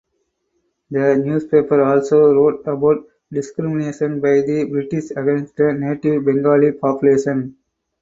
The newspaper also wrote about discrimination by the British against the native Bengali population.